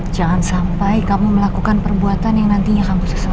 jangan sampai kamu melakukan perbuatan yang nantinya kamu seseli